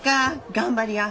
頑張りや。